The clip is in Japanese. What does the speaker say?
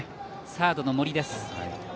サードの森です。